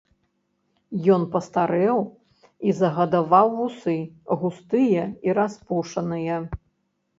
Ён пастарэў і загадаваў вусы, густыя і распушаныя.